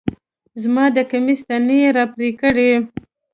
زما د کميس تڼۍ يې راپرې کړې